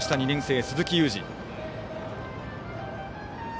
２年生の鈴木勇司。